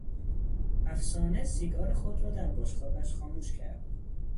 افسانه سیگار خود را در بشقابش خاموش کرد.